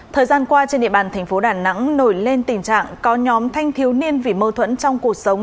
thời gian qua trên địa bàn thành phố đà nẵng nổi lên tình trạng có nhóm thanh thiếu niên vì mâu thuẫn trong cuộc sống